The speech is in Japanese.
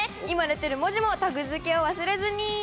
今出てる文字もタグ付けを忘れずに。